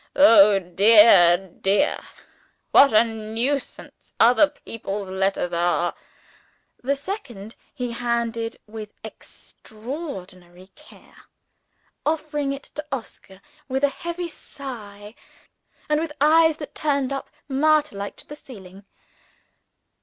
"Oh, dear, dear! what a nuisance other people's letters are!" The second he handled with extraordinary care; offering it to Oscar with a heavy sigh, and with eyes that turned up martyr like to the ceiling.